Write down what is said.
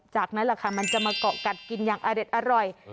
จากนั้นแหละค่ะมันจะมาเกาะกัดกินอย่างอเด็ดอร่อย